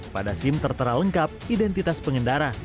pada sim tertera lengkap identitas pengendara